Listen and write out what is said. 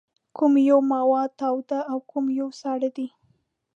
کوم یو مواد تاوده او کوم یو ساړه دي؟